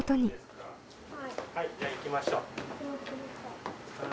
はいじゃあ行きましょう。